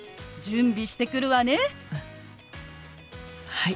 はい。